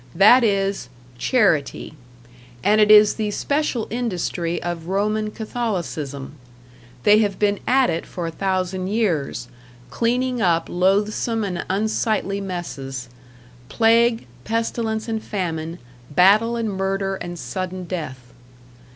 That is "charity," and it is the special industry of Roman Catholicism. They have been at it for a thousand years, cleaning up loathsome and unsightly messes "plague, pestilence and famine, battle and murder and sudden death."